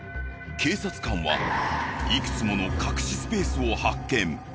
警察官はいくつもの隠しスペースを発見。